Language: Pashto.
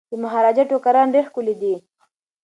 د مهاراجا ټوکران ډیر ښکلي دي.